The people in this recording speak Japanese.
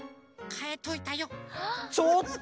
ちょっと！